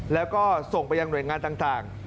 แล้วก็ส่งไปยังหน่วยงานต่าง